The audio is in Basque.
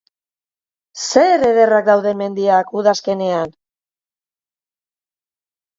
Zer ederrak dauden mendiak udazkenean!